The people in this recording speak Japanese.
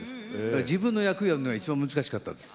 自分の役やんのが一番難しかったです。